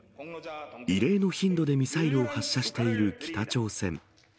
異例の頻度でミサイルを発射している北朝鮮。